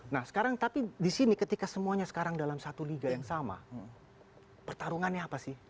nah sekarang tapi di sini ketika semuanya sekarang dalam satu liga yang sama pertarungannya apa sih